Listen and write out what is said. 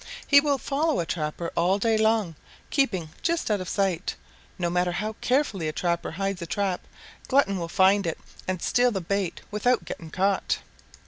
He will follow a trapper all day long, keeping just out of sight. No matter how carefully a trapper hides a trap, Glutton will find it and steal the bait without getting caught.